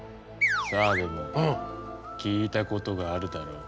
澤部も聞いたことがあるだろう？